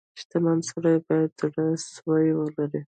• شتمن سړی باید زړه سوی ولري.